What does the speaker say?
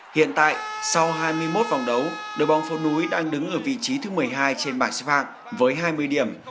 hiện tại sau hai mươi một vòng đấu đội bóng phố núi đang đứng ở vị trí thứ một mươi hai trên bảng xếp hạng với hai mươi điểm